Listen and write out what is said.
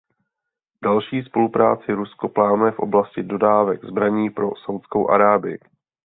Další spolupráci Rusko plánuje v oblasti dodávek zbraní pro Saúdskou Arábii.